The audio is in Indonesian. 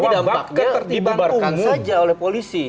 ini dampaknya dibubarkan saja oleh polisi